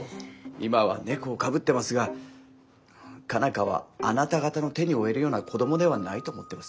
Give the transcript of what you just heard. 今は猫をかぶってますが佳奈花はあなた方の手に負えるような子どもではないと思っています。